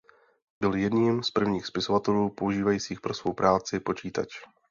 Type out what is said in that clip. Byl jedním z prvních spisovatelů používajících pro svou práci počítač.